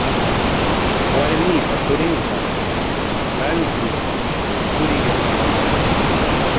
Warmiipa turinqa qantris churiyuqmi.